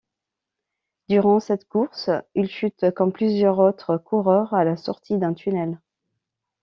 Durant cette course, il chute comme plusieurs autres coureurs à la sortie d'un tunnel.